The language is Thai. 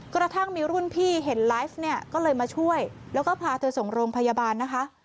กระทั่งมีรุ่นพี่เห็นไลฟ์เนี่ยก็เลยมาช่วยแล้วก็พาเธอส่งโรงพยาบาลนะคะ